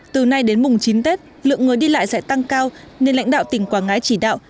từ nay đến mùng chín tết lượng người đi lại sẽ tăng cao nên lãnh đạo tỉnh quảng ngãi chỉ đạo